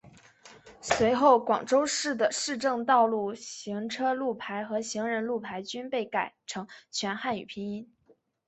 随后广州市的市政道路行车路牌和行人路牌均被改成全汉语拼音。